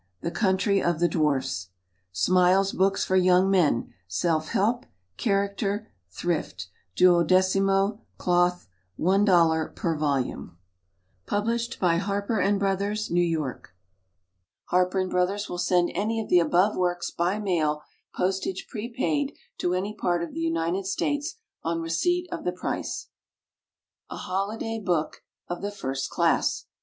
The Country of the Dwarfs. Smiles's Books for Young Men: SELF HELP. CHARACTER. THRIFT. 12mo, Cloth, $1.00 per volume. Published by HARPER & BROTHERS, New York. HARPER & BROTHERS will send any of the above works by mail, postage prepaid, to any part of the United States, on receipt of the price. "_A Holiday Book of the First Class.